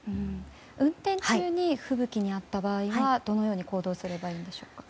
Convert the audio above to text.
運転中に吹雪にあった場合はどのように行動すればいいんでしょうか？